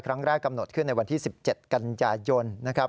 ครั้งแรกกำหนดขึ้นในวันที่๑๗กัญญายนต์นะครับ